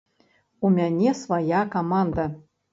У мяне свая каманда.